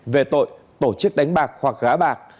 về tội tổ chức đánh bạc hoặc gã bạc